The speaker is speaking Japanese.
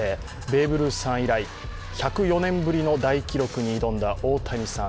ベーブ・ルースさん以来１０４年ぶりの大記録に挑んだ大谷さん。